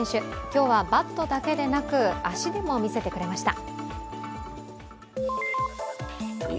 今日はバットだけでなく、足でも見せてくれました。